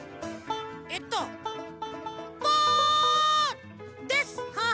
えっと「ポ」です！